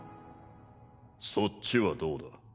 そっちはどうだ？